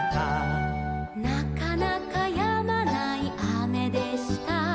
「なかなかやまないあめでした」